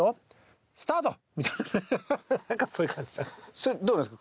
それはどうなんですか。